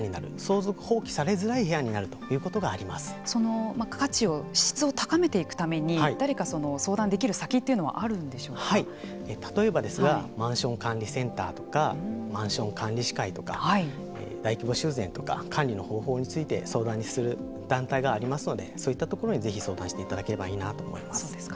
相続放棄されづらい部屋になるその価値、質を高めていくために誰か相談できる先というのは例えばですがマンション管理センターとかマンション管理士会とか大規模修繕とか管理の方法について相談する団体がありますけれどもそういったところにぜひ相談していただければいいなと思います。